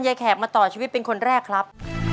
แขกมาต่อชีวิตเป็นคนแรกครับ